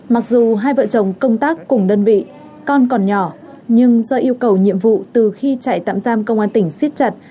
mặc dù hai vợ chồng công tác cùng đơn vị con còn nhỏ nhưng do yêu cầu nhiệm vụ từ khi trại tạm giam công an tỉnh xiết chặt